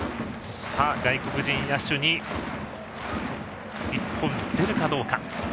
さあ、外国人野手に１本出るかどうか。